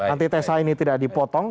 antitesa ini tidak dipotong